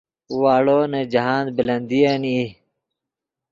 واڑو نے جاہند بلندین ای